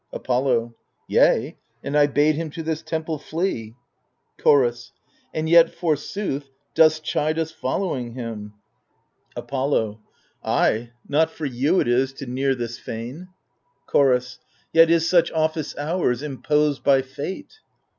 Apollo Yea, and I bade him to this temple flee. Chorus And yet forsooth dost chide us following him I L 146 THE FURIES Apolxx> Ay — not for you it is, to near this fane. Chorus Yet is such office ours, imposed by fate.